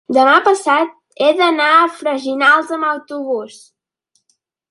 demà passat he d'anar a Freginals amb autobús.